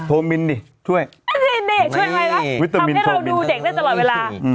โมมินดิช่วยมินนี่ช่วยอะไรคะทำให้เราดูเด็กได้ตลอดเวลา